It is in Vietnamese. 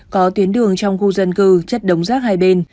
có tuyến đường trong khu dân cư chất đống rác hai bên